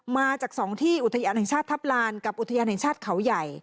มาจาก๒ที่อุทยานแห่งชาติทัพลานกับอุทยานแห่งชาติเขาใหญ่